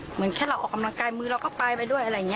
เหมือนแค่เราออกกำลังกายมือเราก็ไปไปด้วยอะไรอย่างนี้